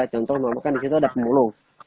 contohnya disitu ada pemulung